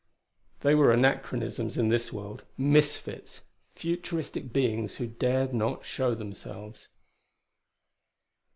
They were anachronisms in this world; misfits; futuristic beings who dared not show themselves.